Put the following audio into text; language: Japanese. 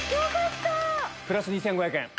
プラス２５００円。